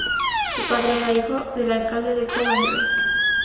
Su padre era hijo del alcalde de Coventry.